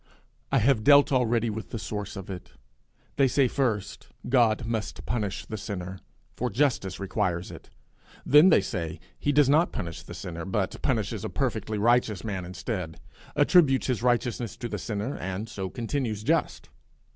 I have dealt already with the source of it. They say first, God must punish the sinner, for justice requires it; then they say he does not punish the sinner, but punishes a perfectly righteous man instead, attributes his righteousness to the sinner, and so continues just.